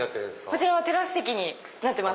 こちらはテラス席になってます。